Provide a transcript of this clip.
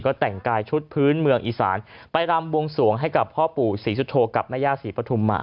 ก็แต่งกายชุดพื้นเมืองอีสานไปรำบวงสวงให้กับพ่อปู่ศรีสุโธกับแม่ย่าศรีปฐุมมา